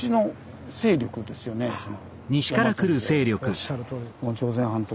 おっしゃるとおり。